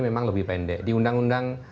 memang lebih pendek di undang undang